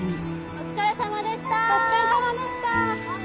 お疲れさまでした。